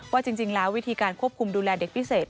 ว่าจริงแล้ววิธีการควบคุมดูแลเด็กพิเศษ